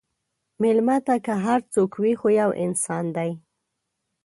مېلمه ته که هر څوک وي، خو یو انسان دی.